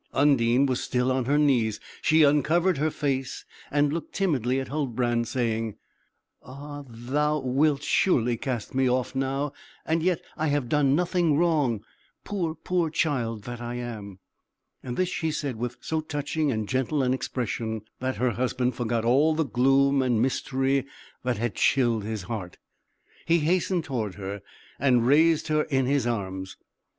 Undine was still on her knees; she uncovered her face and looked timidly at Huldbrand, saying, "Ah, thou wilt surely cast me off now; and yet I have done nothing wrong, poor, poor child that I am!" This she said with so touching and gentle an expression, that her husband forgot all the gloom and mystery that had chilled his heart; he hastened toward, her and raised her in his arms.